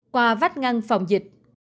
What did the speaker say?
qua vách ngăn phòng dịch